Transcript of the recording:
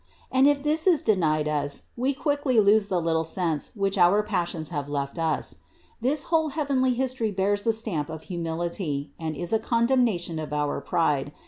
And if this is denied us, we quickly lose the little sense which our passions have left us. This whole heavenly history bears the stamp of humility, and is a condemnation of our pride.